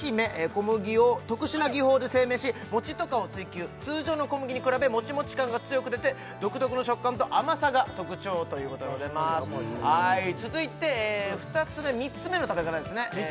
小麦を特殊な技法で製麺しもちっと感を追求通常の小麦に比べもちもち感が強く出て独特の食感と甘さが特徴ということでございます続いて２つ目３つ目の食べ方ですね